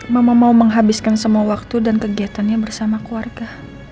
mama mau menghabiskan semua waktu dan kegiatannya bersama keluarga